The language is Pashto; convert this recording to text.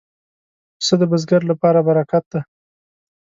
پسه د بزګر لپاره برکت دی.